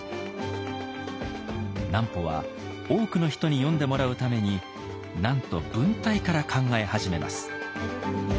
南畝は多くの人に読んでもらうためになんと文体から考え始めます。